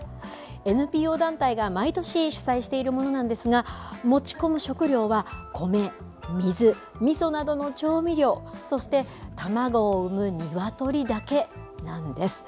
ＮＰＯ団体が毎年主催しているものなんですが持ち込む食料は米、水、みそなどの調味料そして、卵を産む鶏だけなんです。